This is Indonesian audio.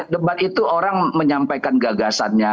debat itu orang menyampaikan gagasannya